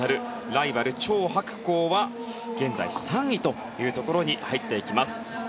ライバル、チョウ・ハクコウは現在、３位というところに入っていきます。